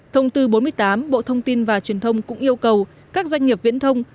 thông tư bốn mươi tám bộ thông tin và truyền thông cũng yêu cầu các doanh nghiệp viễn thông